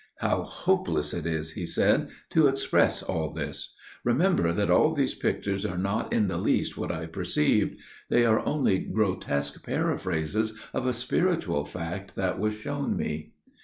"How hopeless it is," he said, "to express all this! Remember that all these pictures are not in the least what I perceived. They are only grotesque paraphrases of a spiritual fact that was shown me.